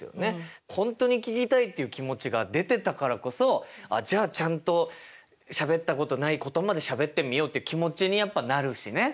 本当に聞きたいっていう気持ちが出てたからこそ「あじゃあちゃんとしゃべったことないことまでしゃべってみよう」って気持ちにやっぱなるしね。